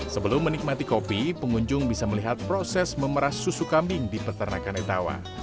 sebelum menikmati kopi pengunjung bisa melihat proses memeras susu kambing di peternakan etawa